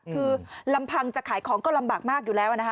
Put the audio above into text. คือลำพังจะขายของก็ลำบากมากอยู่แล้วนะคะ